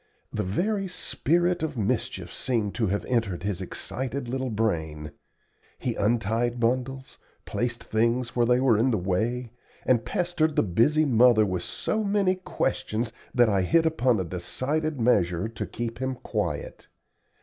The very spirit of mischief seemed to have entered his excited little brain. He untied bundles, placed things where they were in the way, and pestered the busy mother with so many questions, that I hit upon a decided measure to keep him quiet.